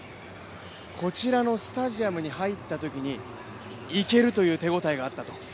こちらのスタジアムに入ったときにいけるという手応えがあったと。